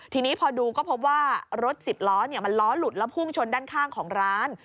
ทีนี้พอดูก็พบว่ารถสิบล้อมันล้อหลุดแล้วพุ่งชนด้านข้างของร้าน